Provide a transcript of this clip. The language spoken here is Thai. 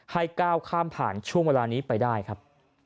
ให้ก้าวข้ามผ่านช่วงเวลานี้ไปได้ครับ